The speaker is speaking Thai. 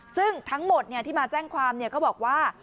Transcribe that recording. ซึ่งทั้งหมดที่มาแจ้งความก็บอกว่า